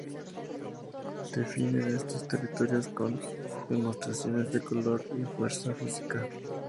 Defienden estos territorios con demostraciones de color y fuerza física.